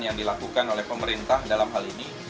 yang dilakukan oleh pemerintah dalam hal ini